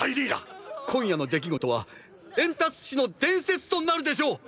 今夜の出来事はエンタス市の伝説となるでしょう！！